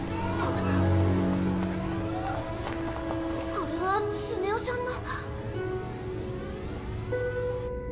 これはスネ夫さんの。